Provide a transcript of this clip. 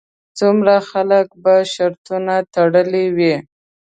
څومره خلکو به شرطونه تړلې وي.